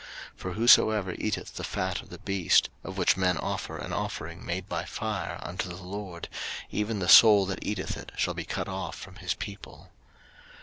03:007:025 For whosoever eateth the fat of the beast, of which men offer an offering made by fire unto the LORD, even the soul that eateth it shall be cut off from his people.